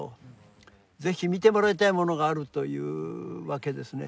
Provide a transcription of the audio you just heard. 「是非見てもらいたいものがある」というわけですね。